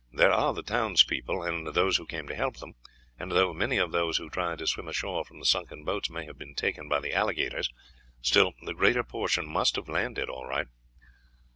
There are the townspeople and those who came to help them; and though many of those who tried to swim ashore from the sunken boats may have been taken by the alligators, still the greater portion must have landed all right."